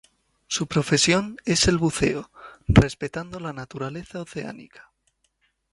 Su profesión es el buceo, respetando la naturaleza oceánica.